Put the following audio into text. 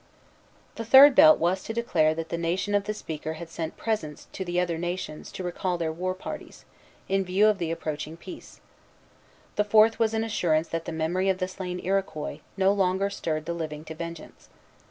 The third belt was to declare that the nation of the speaker had sent presents to the other nations to recall their war parties, in view of the approaching peace. The fourth was an assurance that the memory of the slain Iroquois no longer stirred the living to vengeance.